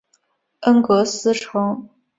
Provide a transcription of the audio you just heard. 恩格斯城。